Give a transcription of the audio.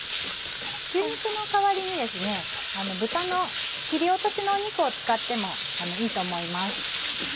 牛肉の代わりにですね豚の切り落としの肉を使ってもいいと思います。